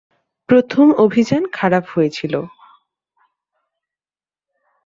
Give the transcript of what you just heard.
প্রথম অভিযান খারাপ হয়েছিল।